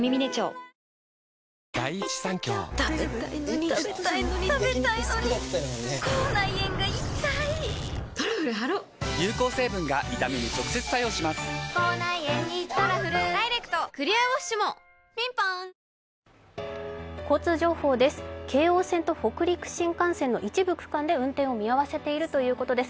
京王線と北陸新幹線の一部区間で運転を見合わせているということです。